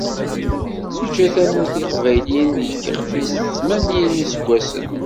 Yeǧǧa Tamurt n Yiqbayliyen deg yixef-is tmanya n yiseggasen.